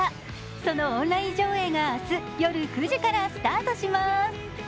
そのオンライン上映が、明日夜９時からスタートします。